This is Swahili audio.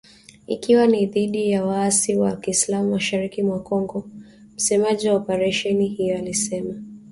Ikiwa ni dhidi ya waasi wa kiislam mashariki mwa Kongo msemaji wa operesheni hiyo alisema.